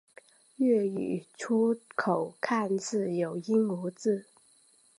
粤语粗口看似有音无字。